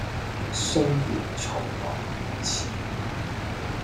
雖然從來如此，